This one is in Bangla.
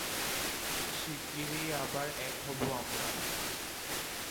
শিগগিরই আবার এক হবো আমরা।